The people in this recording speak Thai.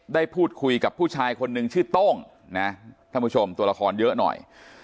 ได้พูดคุยกับผู้ชายคนนึงชื่อโต้งนะท่านผู้ชมตัวละครเยอะหน่อย